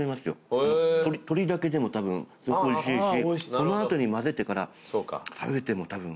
鶏だけでもたぶんおいしいしこの後に混ぜてから食べてもたぶん。